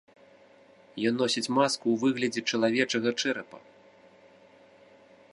Ён носіць маску ў выглядзе чалавечага чэрапа.